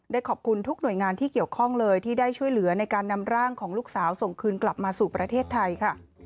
ขอบคุณทุกหน่วยงานที่เกี่ยวข้องเลยที่ได้ช่วยเหลือในการนำร่างของลูกสาวส่งคืนกลับมาสู่ประเทศไทยค่ะ